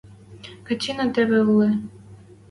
– Котинӓ теве улы...